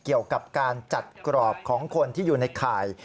เกี่ยวกับการจัดกรอบของคนที่อยู่ในข่าย